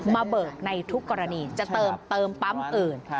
เบิกในทุกกรณีจะเติมปั๊มอื่น